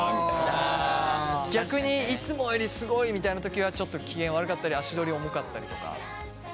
逆にいつもよりスゴいみたいな時はちょっと機嫌悪かったり足取り重かったりとか？